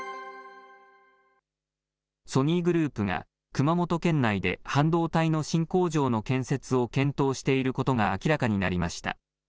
ソニーグループが熊本県内で半導体の新工場の建設を検討していることが明らかになりました。